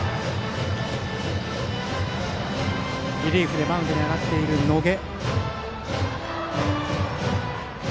リリーフでマウンドに上がってる野下。